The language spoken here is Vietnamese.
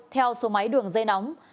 theo số máy đường dây nóng